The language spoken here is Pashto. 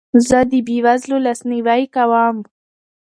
زه د بې وزلو لاسنیوی کوم.